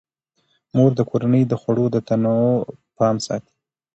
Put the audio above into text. مور د کورنۍ د خوړو د تنوع پام ساتي.